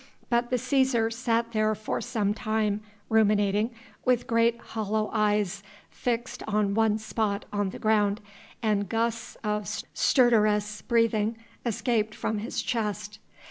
But the Cæsar sat there for some time, ruminating, with great hollow eyes fixed on one spot on the ground and gusts of stertorous breathing escaped from his chest.